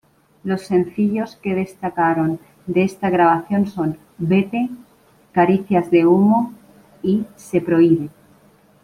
Los sencillos que destacaron de esta grabación son:"Vete", "Caricias de humo" y "Se prohíbe".